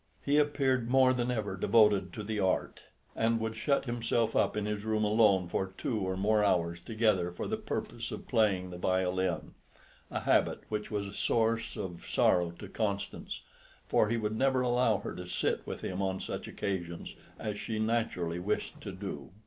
He appeared more than ever devoted to the art, and would shut himself up in his room alone for two or more hours together for the purpose of playing the violin a habit which was a source of sorrow to Constance, for he would never allow her to sit with him on such occasions, as she naturally wished to do.